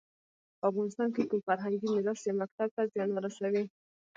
په افغانستان کې کوم فرهنګي میراث یا مکتب ته زیان ورسوي.